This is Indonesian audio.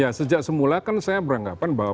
ya sejak semula kan saya beranggapan bahwa